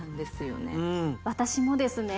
私もですね。